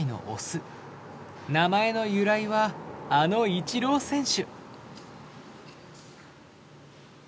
名前の由来はあのイチロー選手。